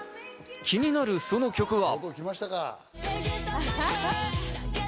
気になるその曲は。